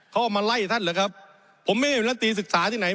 เขาเอามาไล่ท่านเหรอครับผมไม่ได้เป็นรัฐตีศึกษาที่ไหน